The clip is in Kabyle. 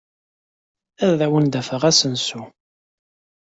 Ad awent-d-afeɣ asensu.